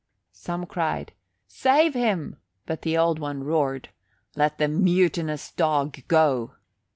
Some cried "Save him!" but the Old One roared, "Let the mutinous dog go!"